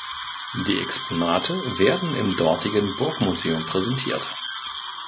Die Exponate werden im dortigen Burg-Museum präsentiert.